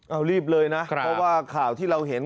เอารีบเลยนะเพราะว่าข่าวที่เราเห็น